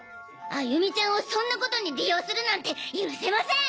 歩美ちゃんをそんなことに利用するなんて許せません！